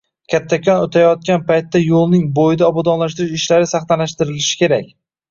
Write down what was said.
Kattakon o‘tayotgan paytda yo‘lning bo‘yida obodonlashtirish ishlari sahnalashtirilishi kerak.